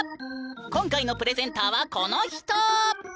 今回のプレゼンターはこの人！